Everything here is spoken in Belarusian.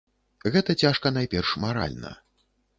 Гэта цяжка найперш маральна.